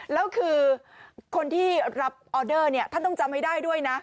แล้วคือคนที่รับออเดอร์เนี่ยท่านต้องจำให้ได้ด้วยนะ